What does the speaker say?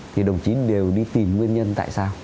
thì đồng chí đều đi tìm nguyên nhân tại sao